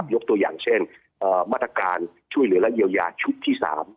ยกตัวอย่างเช่นมาตรการช่วยเหลือและเยียวยาชุดที่๓